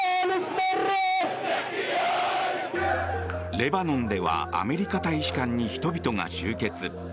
レバノンではアメリカ大使館に人々が集結。